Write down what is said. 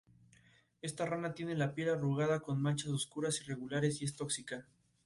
Esta rana tiene la piel arrugada con manchas oscuras irregulares y es tóxica.